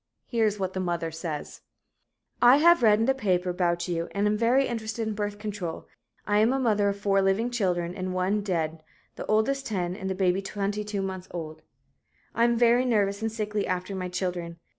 Here is what the mother says: "I have read in the paper about you and am very interested in Birth Control I am a mother of four living children and one dead the oldest 10 and baby 22 months old. I am very nervous and sickly after my children.